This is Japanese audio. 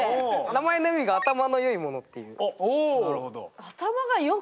名前の意味が頭のよい者っていう。